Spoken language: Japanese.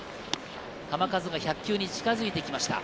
球数が１００球に近づいてきました。